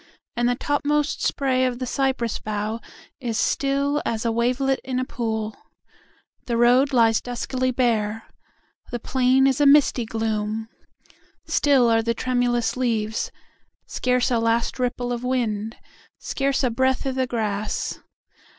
And the topmost sprayOf the cypress bough is stillAs a wavelet in a pool:The road lies duskily bare:The plain is a misty gloom:Still are the tremulous leaves; Scarce a last ripple of wind, Scarce a breath i' the grass.